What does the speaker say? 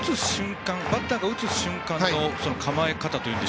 バッターが打つ瞬間の構え方というか。